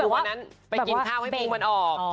คือวันนั้นไปกินข้าวให้ปรุงมันออก